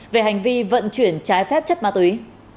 về hành vi vận chuyển trái phép chất ma túy